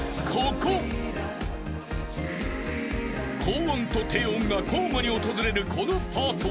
［高音と低音が交互に訪れるこのパート］